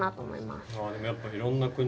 でもやっぱりいろんな国。